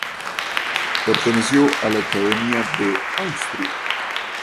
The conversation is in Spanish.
Perteneció a la Academia de Austria.